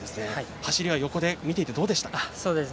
走りは横で見ていてどうでしたか。